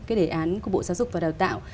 cái đề án của bộ giáo dục và đào tạo